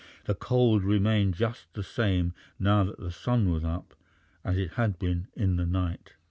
The cold remained just the same now that the sun was up as it had been in the night.